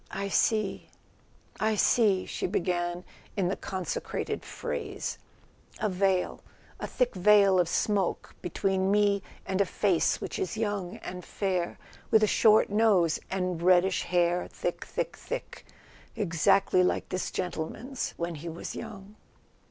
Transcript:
"I see—I see " she began in the consecrated phrase. "A veil—a thick veil of smoke between me and a face which is young and fair, with a short nose and reddish hair: thick, thick, thick hair, exactly like this gentleman's when he was young.